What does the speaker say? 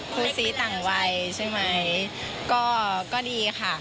คู่ซีต่างวัยใช่ไหมก็ดีค่ะ